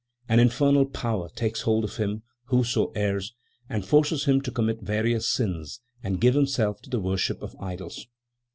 An infernal power takes hold of him who so errs, and forces him to commit various sins and give himself to the worship of idols.